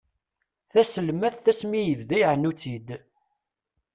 Taselmadt asmi i ibda iɛennu-tt-id.